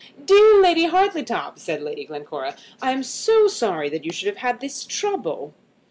"Dear Lady Hartletop," said Lady Glencora, "I am so sorry that you should have had this trouble."